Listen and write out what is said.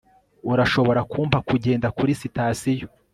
urashobora kumpa kugenda kuri sitasiyo